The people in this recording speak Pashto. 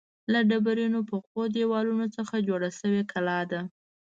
له ډبرینو پخو دیوالونو څخه جوړه شوې کلا ده.